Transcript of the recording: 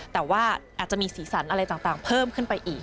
แต่ว่าอาจจะมีสีสันอะไรต่างเพิ่มขึ้นไปอีก